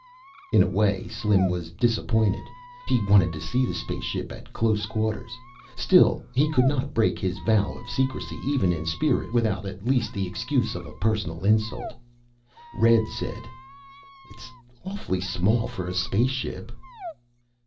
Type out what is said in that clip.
In a way, Slim was disappointed. He wanted to see the space ship at closer quarters. Still, he could not break his vow of secrecy even in spirit without at least the excuse of personal insult. Red said, "It's awfully small for a space ship."